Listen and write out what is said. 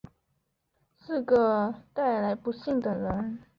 是个带来不幸的人